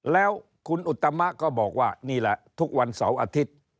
แล้วคุณอุตมะก็บอกว่านี่แหละทุกวันเสาร์อาทิตย์